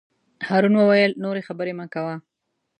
هارون وویل: نورې خبرې مه کوه.